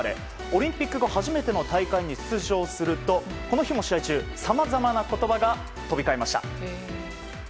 オリンピック後初めての大会に出場するとこの日も試合中さまざまな言葉が飛び交いました。